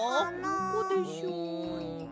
どこでしょう？